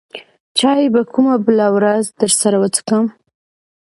چاى به کومه بله ورځ درسره وڅکم.